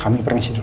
kami permisi dulu